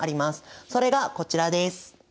それがこちらです。